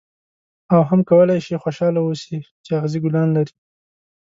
او هم کولای شې خوشاله اوسې چې اغزي ګلان لري.